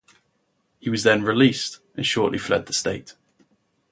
He was then released and shortly fled the state.